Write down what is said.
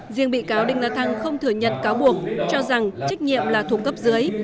riêng bị cáo đinh la thăng không thừa nhận cáo buộc cho rằng trách nhiệm là thuộc cấp dưới